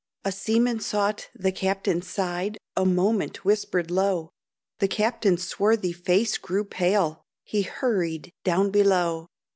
A seaman sought the captain's side, A moment whispered low; The captain's swarthy face grew pale; He hurried down below.